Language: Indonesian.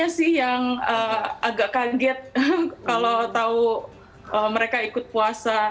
saya sih yang agak kaget kalau tahu mereka ikut puasa